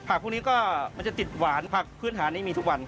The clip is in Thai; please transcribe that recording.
พวกนี้ก็มันจะติดหวานผักพื้นฐานนี้มีทุกวัน